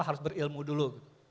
harus berilmu dulu